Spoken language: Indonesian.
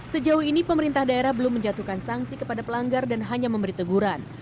sejauh ini pemerintah daerah belum menjatuhkan sanksi kepada pelanggar dan hanya memberi teguran